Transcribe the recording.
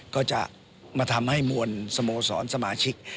ก็จะมาทำให้มวลสโมสรสมาชิก